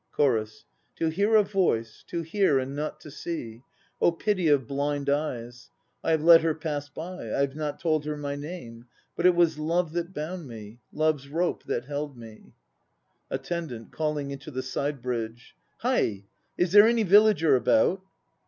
CHORUS. To hear a voice, To hear and not to see! Oh pity of blind eyes! I have let her pass by; I have not told my name; But it was love that bound me, Love's rope that held me. ATTENDANT (calling into the side bridge). Hie! Is there any villager about?